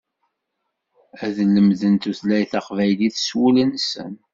Ad lemden tutlayt taqbaylit s wul-nsen.